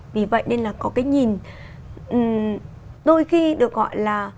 vì vậy nên là có cái nhìn đôi khi được gọi là